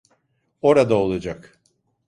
Orada olacak.